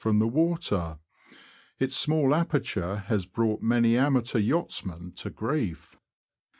from the water ; its small aperture has brought many amateur yachtsmen to grief.